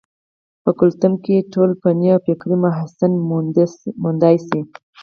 پۀ کلتم کښې ټول فني او فکري محاسن موندے شي